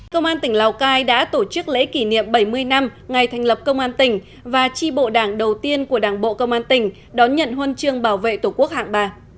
công an tỉnh lào cai đã tổ chức lễ kỷ niệm bảy mươi năm ngày thành lập công an tỉnh và tri bộ đảng đầu tiên của đảng bộ công an tỉnh đón nhận huân chương bảo vệ tổ quốc hạng ba